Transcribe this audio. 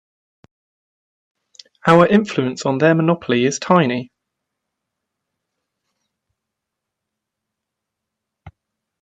Our influence on their monopoly is tiny.